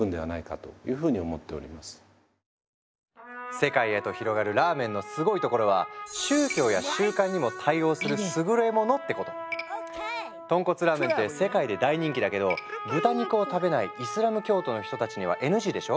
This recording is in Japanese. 世界へと広がるラーメンのすごいところは豚骨ラーメンって世界で大人気だけど豚肉を食べないイスラム教徒の人たちにはＮＧでしょ？